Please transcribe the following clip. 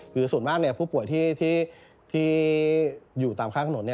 คือส่วนมากผู้ป่วยที่อยู่ตามข้างถนน